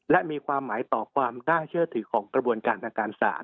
และมีความหมายต่อความน่าเชื่อถือของกระบวนการทางการศาสต